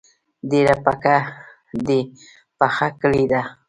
ډیره پکه دي پخه کړی ده